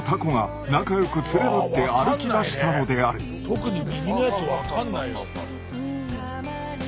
特に右のやつ分かんない。